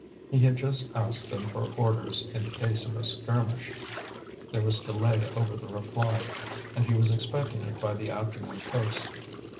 He had just asked them for orders in the case of a skirmish. There was delay over the reply, and he was expecting it by the afternoon post.